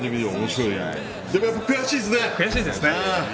でも、やっぱ悔しいですね。